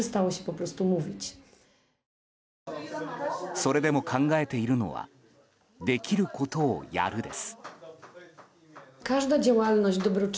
それでも考えているのはできることをやるです。